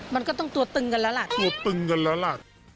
มันก็ต้องตัวตึงกันแล้วล่ะ